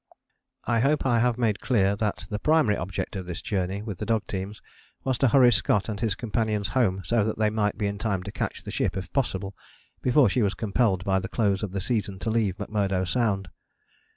I hope I have made clear that the primary object of this journey with the dog teams was to hurry Scott and his companions home so that they might be in time to catch the ship if possible, before she was compelled by the close of the season to leave McMurdo Sound.